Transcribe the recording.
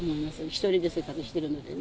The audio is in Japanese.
１人で生活してるのでね。